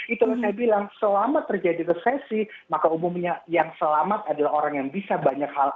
itu saya bilang selama terjadi resesi maka umumnya yang selamat adalah orang yang bisa banyak hal